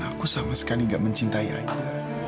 aku sama sekali gak mencintai ayahnya